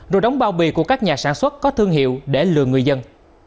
rồi đóng bao bì của các nhà sản xuất có thương hiệu để lừa người dân